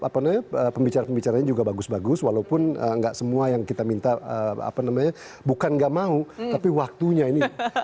jadi pembicaraan pembicaranya juga bagus bagus walaupun tidak semua yang kita minta bukan tidak mau tapi waktunya ini